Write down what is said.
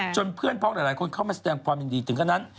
เพื่อนพร้อมหลายคนเข้ามาแสดงความยินดีถึงขนาดนั้น